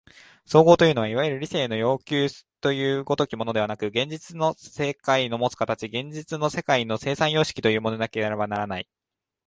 綜合というのはいわゆる理性の要求という如きものではなく、現実の世界のもつ形、現実の世界の生産様式というものでなければならない。